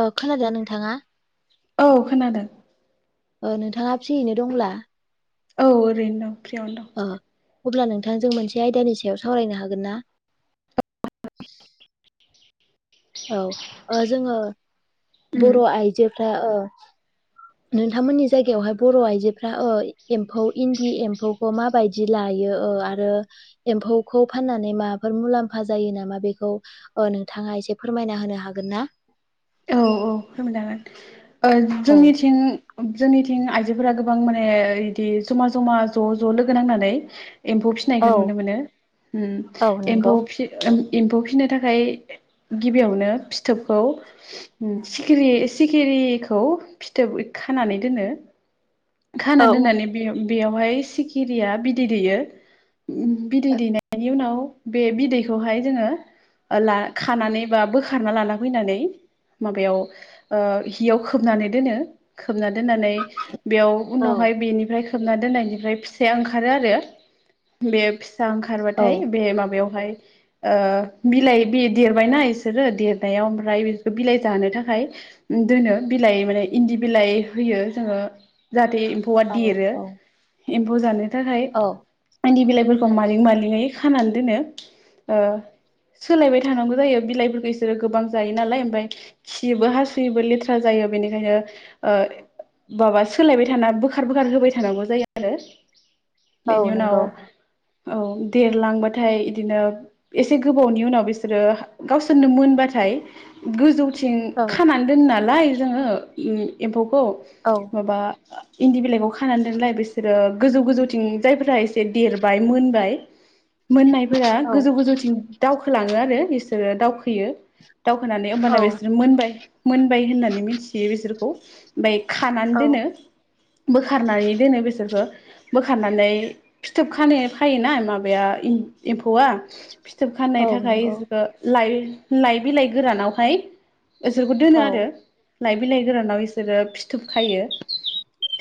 अ खोनादोंना नोंथाङा। औ खोनादों। ओ नोंथाङा फियैनो दंला। औ ओरैनो दं फ्रियावनो दं। अब्ला नोंथांजों मोनसे आयदानि सायाव सावरायनो हागोन ना? औ ओ जोङो दं उम बर' आइजोफ्रा ओ। नोंथांमोननि जायगायावहाय। बर' आइजोफ्रा ओ एम्फौ इन्दि एम्फौखौ माबायदि लायो ओ आरो एम म्फौखौ फाननानै माफोर मुलाम्फा जायो नामा बेखौ ओ नोंथाङा एसे फोरमायना होनो हागोन ना? [inaudible] औ औ फोरमायनो हागोन ओ औ जोंनिथिं। जोंनिथिं आइजोफोरा गोबां माने इदि जमा जमा ज' ज' लोगो नांनानै। एम्फौ फिसिनायखौ औ नुनो मोनो ओम औ नंगौ एम्फौ फिसि एम्फौ फिसिनो थाखाय गिबियावनो फिथोबखौ। सिखिरि सिखिरिखौ फिथोब खानानै दोनो। खाना औ दोननानै बे बेयावहाय सिखिरिया बिदै दैयो। बिदै दैनायनि उनाव बे बिदैखौहाय जोङो। ओ ला खानानै बा बोखारना लाना फैनानै। माबायाव ओह हियाव खोबनानै दोनो खोबना दोननानै। बेयाव औ उनावहाय बेनिफ्राय खोबना दोननायनिफ्राय फिसाया ओंखारो आरो बे फिस सा औ ओंखारबाथाय बे माबायाव। [unintelligible] ओह बिलाइ बे देरबायना इसोरो देरनायाव ओमफ्राय बिसोरखो बिलाइ जानो थाखाय। खाय दोनो बिलाइ माने इन्दि बिलाइ होयो जोङो। जाहाथे एम्फौआ औ देरो औ एम्फौ जानो थाखाय औ इनदि बिलाइ। बोरखौ मालिं मालिङै खानानै दोनो ओह। सोलायबाय थानांगौ जायो बिलाइफोरखौ इसोरो गोबां जायो नालाय ओमफाय खियोबो हासुयोबो लेथ्रा जायो। [unintelligible] बेनिखायनो ओह बाबास सोलायबाय थाना बोखार बोखार होबाय थानांगौ जायो आरो औ बेनि उनाव। नंगौ औ देरलांबाथाय इदिनो एसे गोबावनि उनाव बिसोरो गावसोरनो मोनबाथाय थाय गोजौ थिं औ खानानै दोनो नालाय जोङो एम एम्फौखौ औ माबा इन्दि बिलाइखौ खानानै दोनलाय बिसोरो गोजौ गोजौथिं जायफोरा एसे देरबाय मोनबाय मोननाय फोरा औ गोजौ गोजौथिं दावखोलाङो आरो इसोरो दावखोयो। दावखोनानै ओमबाना औ बिसोर मोनबाय मोनबाय होननानै मिथियो बिसोरखौ ओमबाय खानानै औ दोनो बोखारनानै दोनो बेसोरखो बोखारनानै फिथोब खानो फायोना माबाया एम एम्फौआ फिथोब खानाय औ थाखाय नंगौ ओ लाइ-लाइ बिलाइ गोरानावहाय इसोरखौ औ दोनो आरो लाइ बिलाइ गोरानाव इसोरो फिथोब खायो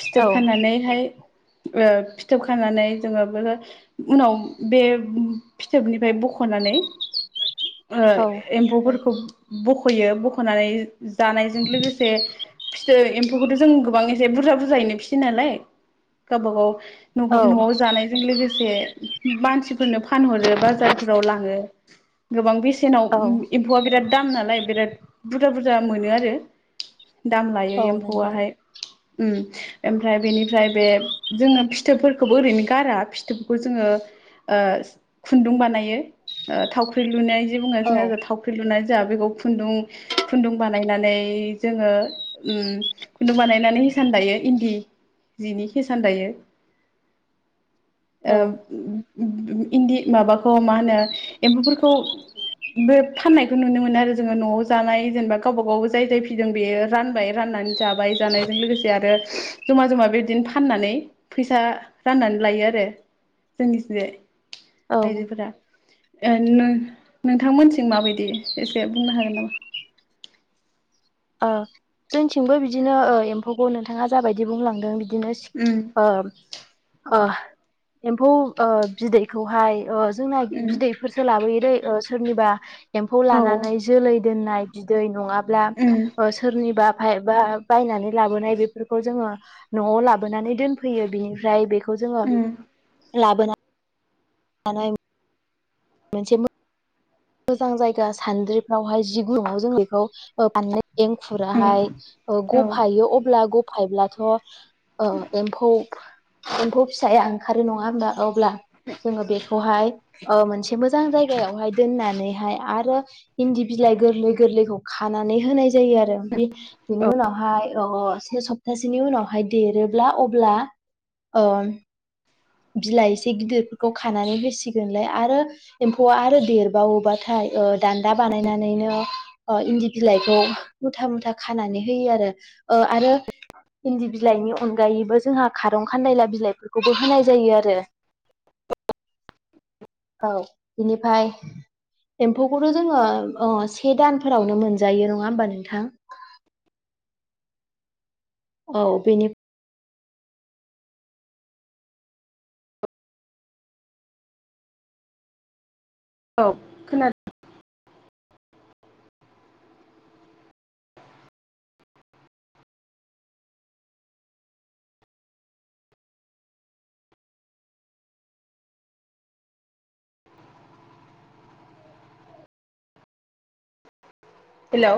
फिथोब खानानैहाय ओ फिथोब खानानै जोङो [unintelligible] उनाव बे फिथोबनिफ्राय ब ख'नानै ओ औ एम्फौफोरखौ बख'यो बख'नानै जानायजों लोगोसे फिथो एम्फौखौथ' जों गोबां एसे बुरजा बुरजा जायैनो फिसियो नालाय गावबा गाव औ न'आव जानायजों लोगोसे बे मानसिफोरनो फानहरो बाजारफोराव लाङो गोबां बेसे सेनाव औ एम्फौआ बिराद दाम नालाय बिराद बुरजा बुरजा मोनो आरो दाम लायो औ नंगौ एम्फौआहाय ओम। एमफ्राय बेनिफ्राय बे जोङो फिथोबफोरखोबो ओरैनो गारा फिथोबखो जोङो ओ खुन्दुं बानायो ओ थावख्रि लुनाय जि बुङो औ जोंहा थावख्रि लुनाय जोंहा बेखौ खुन्दुं खुन्दुं बानायनानै जोङो उम खुन्दु बानायनानै हिसान दायो इन्दि जिनि हेसान दायो औ ओ इन्दि माबाखौ मा होनो एम्फौफोरखौ बे फाननायखौ नुनो मोनो आरो जोङो न'आव जानाय जेनेबा गावबा गाव जाय जाय फिदों बेयो रानबाय राननानै जाबाय जानायजों लोगोसे आरो जमा-जमा बेबदिनो फाननानै फैसा राननानै लायो आरो जोंनिथिंजाय औ आइजोफोरा ओ नों नोंथांमोनथिं माबायदि एसे बुंनो हागोन नामा ओ जोंथिंबो बिदिनो ओ एम्फौखौ नोंथाङा जाबायदि बुंलांदों बिदि नो सिख ओ उम ओ एम्फौ ओ बिदैखौहाय ओ जोंना बिदैफोरसो लाबोयो। ओ सोरनिबा एम्फौ औ लानानै जोलै दोननाय बिदै नङाब्ला उम ओ सोरनिबा बाय बा बायनानै लाबोनाय बेफोरखौ जोङो न'आव लाबोनानै दोनफैयो बिनिफ्राय बे खौ जोङो उम लाबोना नानै मोनसे मोजां जायगा सान्द्रिफ्रावहाय जि गुनुंनाव जों बेखौ बाना उम एंखुराहाय ओ औ गफायो अब्ला गफायब्लाथ' ओ एम्फौ एम्फौ फिसाया ओंखारो नङा होमबा ‌अब्ला जोङो बेखौहाय ओ मोनसे मोजां जायगायावहाय दोननानैहाय आरो इन्दि बिलाइ गोरलै गोरलैखौ खानानै होनाय जायो आरो बि औ बिनि उनावहाय अ स्नि सप्तासेनि उनावहाय देरोब्ला अब्ला ओ बिलाइ एसे गिदिरफोरखौ खानानै होसिगोनलाय आरो एम्फौआ आरो देरबावोबाथाय ओ दान्दा बानायनानैनो ओ इन्दि बिलाइखौ मुथा मुथा खानानै होयो ओ आरो। इन्दि बिलाइनि अनगायैबो जोंहा खारं खानदायला बिलाइफोरखौबो होनाय। जायो आरो औ बिनिफाय। एम्फौखौथ' जोङो ओ से दानफोरावनो मोनजायो नङा होमबा नोंथां। [unintelligible] औ बेनि। औ खोनादों। हेलौ।